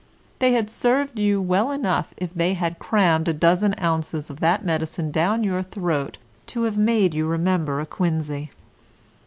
They had served you well enough if they had crammed a dozen ounces of that medicine down your throat to have made you remember a quinzy.